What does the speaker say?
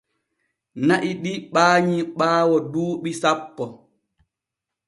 Na’i ɗi ɓaanyi ɓaawo duuɓi sappo.